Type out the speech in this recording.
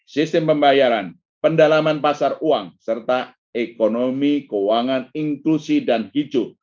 sistem pembayaran pendalaman pasar uang serta ekonomi keuangan inklusi dan hijau